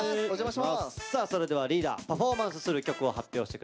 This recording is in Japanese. さあそれではリーダーパフォーマンスする曲を発表して下さい。